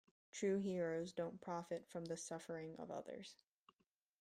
True heroes don't profit from the suffering of others.